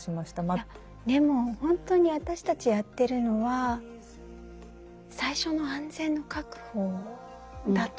でもほんとに私たちやってるのは最初の安全の確保だと思います。